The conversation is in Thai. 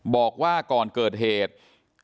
บอกว่าก่อนเกิดเหตุ